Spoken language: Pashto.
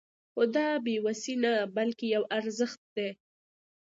خو دا بې وسي نه بلکې يو ارزښت دی.